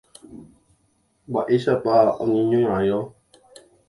mba'éichapa oñeñorãirõ